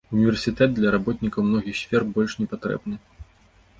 Універсітэт для работнікаў многіх сфер больш не патрэбны.